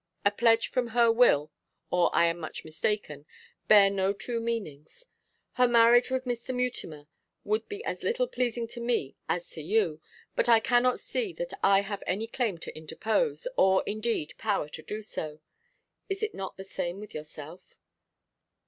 A pledge from her will, or I am much mistaken, bear no two meanings. Her marriage with Mr. Mutimer would be as little pleasing to me as to you, but I cannot see that I have any claim to interpose, or, indeed, power to do so. Is it not the same with yourself?